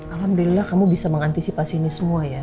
alhamdulillah kamu bisa mengantisipasi ini semua ya